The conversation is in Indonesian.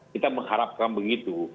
kita mengharapkan begitu